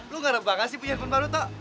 lo nggak ada bangga sih punya handphone baru tok